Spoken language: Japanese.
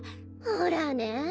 ほらね。